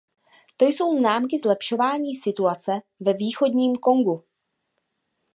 To jsou známky zlepšování situace ve východním Kongu.